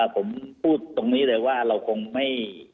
ผมพูดตรงนี้เลยว่าเราคงไม่